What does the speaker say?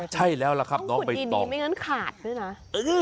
ใช่แล้วล่ะครับน้องใบตองต้องขุดดีไม่งั้นขาดด้วยนะ